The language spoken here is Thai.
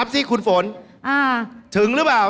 ถึงรึเปล่า